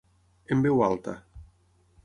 En veu alta.